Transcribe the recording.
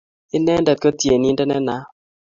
inendet ko tienindet ne naat